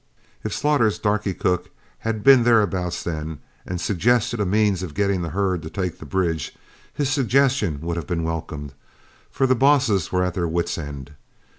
If Slaughter's darky cook had been thereabouts then, and suggested a means of getting that herd to take the bridge, his suggestion would have been welcomed, for the bosses were at their wits' ends.